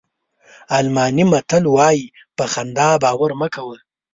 الماني متل وایي په خندا باور مه کوه.